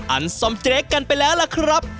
อันสมเจ๊กันไปแล้วล่ะครับ